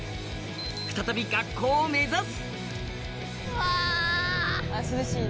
再び学校を目指す！